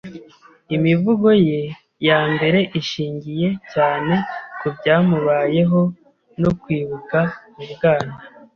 Imivugo ye ya mbere ishingiye cyane ku byamubayeho no kwibuka mu bwana.